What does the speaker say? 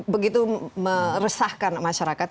begitu meresahkan masyarakat